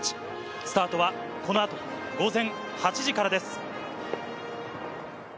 スタートはこの後、午前８時からです。